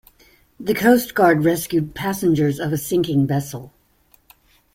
The coast guard rescued passengers of a sinking vessel.